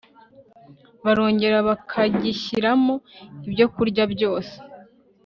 barongera bakagishyiramo ibyokurya byose